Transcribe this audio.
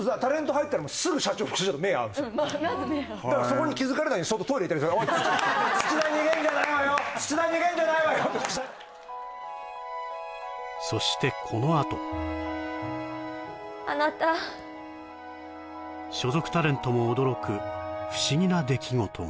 まず目合うそしてこのあとあなた所属タレントも驚く不思議な出来事が